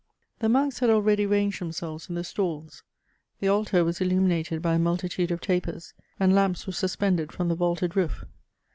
The monks had ahready ranged themselves in the stalls ; the altar was illuminated by a multitude of tapers; and lamps were suspended from the vaulted roof.